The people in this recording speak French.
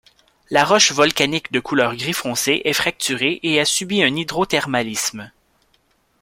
La roche volcanique de couleur gris foncé est fracturée et a subi un hydrothermalisme.